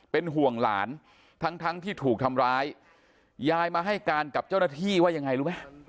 เป็นห่วงหลานทั้งทั้งที่ถูกทำร้ายยายมาให้การกับเจ้าหน้าที่ว่ายังไงรู้ไหม